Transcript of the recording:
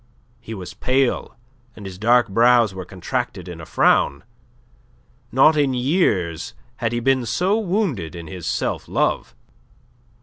He was pale, and his dark brows were contracted in a frown. Not in years had he been so wounded in his self love.